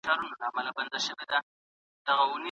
د هلک سترگې په سپیندو واوښتې.